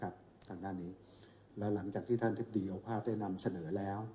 แล้วหลังจากที่ท่านอธิบดีโอภาคได้นำเสนอแล้ว